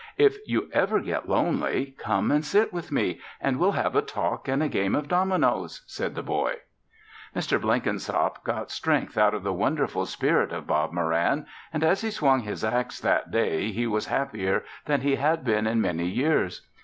"If you ever get lonely, come and sit with me and we'll have a talk and a game of dominoes," said the boy. Mr. Blenkinsop got strength out of the wonderful spirit of Bob Moran and as he swung his axe that day, he was happier than he had been in many years.